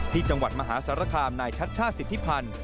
ที่จังหวัดมหาสารคามนายชัชชาติสิทธิพันธ์